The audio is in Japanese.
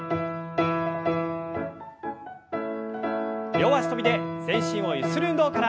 両脚跳びで全身をゆする運動から。